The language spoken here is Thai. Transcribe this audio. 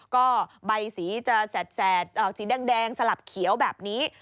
ก็ใบสีจะแสดสีแดงสลับเขียวแบบนี้